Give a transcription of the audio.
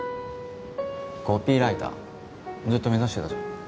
コピーライターずっと目指してたじゃん。